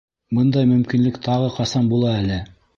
Бындай мөмкинлек тағы ҡасан була әле.